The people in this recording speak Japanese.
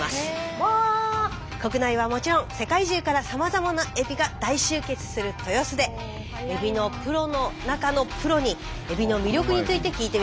国内はもちろん世界中からさまざまなエビが大集結する豊洲でエビのプロの中のプロにエビの魅力について聞いてみます。